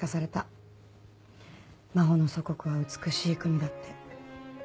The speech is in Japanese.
マホの祖国は美しい国だって。